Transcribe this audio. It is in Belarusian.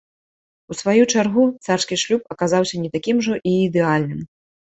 У сваю чаргу, царскі шлюб аказаўся не такім ужо і ідэальным.